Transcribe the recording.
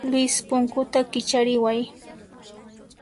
Luis, punkuta kichariway.